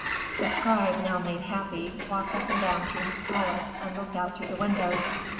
"The scribe, now made happy, walked up and down through his palace and looked out through the windows.